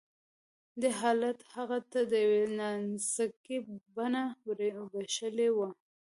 دې حالت هغې ته د يوې نانځکې بڼه وربښلې وه